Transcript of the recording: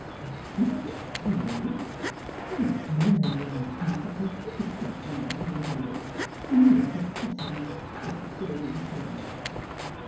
"" What did I say How dare you ask me such a wicked question, Malvina Bennett, an' you a perfessor in th' Presb'terian church?"